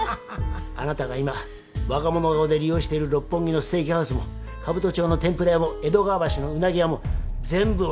あなたが今わが物顔で利用している六本木のステーキハウスも兜町の天ぷら屋も江戸川橋のうなぎ屋も全部私が教えた店だ。